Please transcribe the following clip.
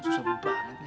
susah banget nyarinya